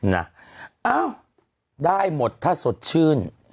อ้าวได้หมดถ้าสดชื่น